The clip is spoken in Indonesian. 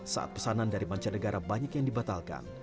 saat pesanan dari manca negara banyak yang dibatalkan